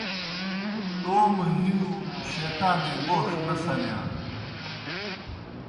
توموْ ہِیؤ شیطانے گوْݜ نہ سنِیا